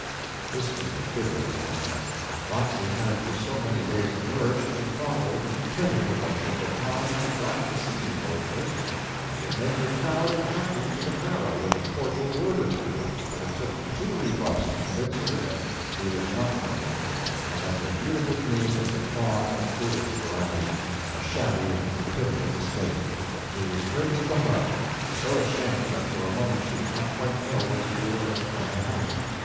This was a bitter disappointment. Roxy had for so many days nourished and fondled and petted her notion that Tom would be glad to see his old nurse, and would make her proud and happy to the marrow with a cordial word or two, that it took two rebuffs to convince her that he was not funning, and that her beautiful dream was a fond and foolish vanity, a shabby and pitiful mistake. She was hurt to the heart, and so ashamed that for a moment she did not quite know what to do or how to act.